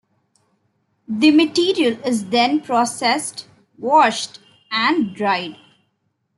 The material is then processed, washed and dried.